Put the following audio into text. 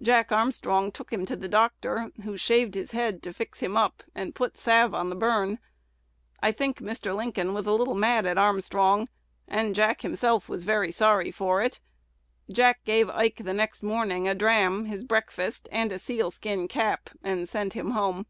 Jack Armstrong took him to the doctor, who shaved his head to fix him up, and put salve on the burn. I think Mr. Lincoln was a little mad at Armstrong, and Jack himself was very sorry for it. Jack gave Ike next morning a dram, his breakfast, and a seal skin cap, and sent him home."